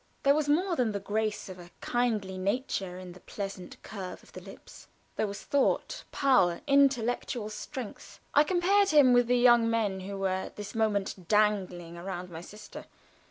There was more than the grace of a kindly nature in the pleasant curve of the lips there was thought, power, intellectual strength. I compared him with the young men who were at this moment dangling round my sister.